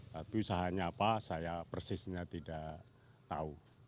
tapi usahanya apa saya persisnya tidak tahu